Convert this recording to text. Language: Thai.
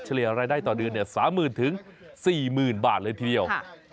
เลียรายได้ต่อเดือน๓๐๐๐๔๐๐๐บาทเลยทีเดียว